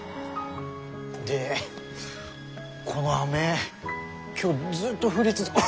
でこの雨今日ずっと降り続け。